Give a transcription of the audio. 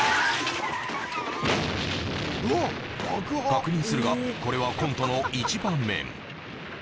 確認するがこれはコントの一場面